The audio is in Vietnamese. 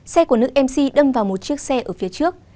xe của nữ mc đâm vào một chiếc xe ở phía trước